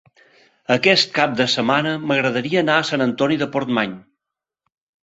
Aquest cap de setmana m'agradaria anar a Sant Antoni de Portmany.